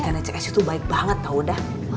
dan cek esy tuh baik banget tau udah